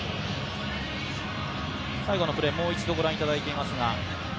最後のプレーもう一度ご覧いただいていますが。